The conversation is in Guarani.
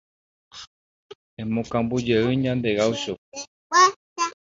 Emokambujey ñande guácho